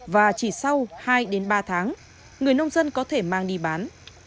và chỉ sau hai ba tháng người nông dân có thể mang đi bán